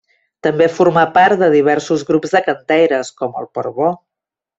També formà part de diversos grups de cantaires, com el Port-Bo.